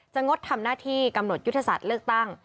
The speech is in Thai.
งดทำหน้าที่กำหนดยุทธศาสตร์เลือกตั้ง